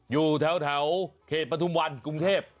อยู่แถวเขตปฐุมวันกรุงเทพ